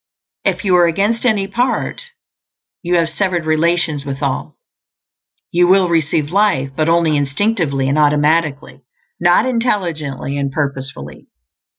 If you are against any part, you have severed relations with all; you will receive life, but only instinctively and automatically; not intelligently and purposefully.